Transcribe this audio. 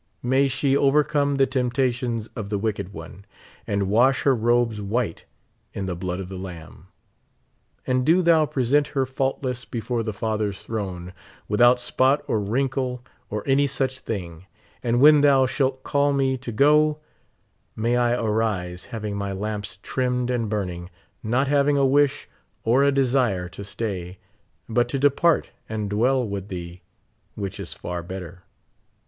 May she overcome the temptations of the wicked one. and wash her robes white in the blood of the Lamb ; and do thou present her fault less before the Father s throne, without spot or wrinkle or any such thing ; and when thou shalt call me to go, may I arise, having my lamps trimmed and burning, not having a wish or a desire to stay, but to depart and dwell with thee, which is far better.